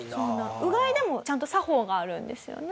うがいでもちゃんと作法があるんですよね？